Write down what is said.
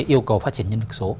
yêu cầu phát triển nhân lực số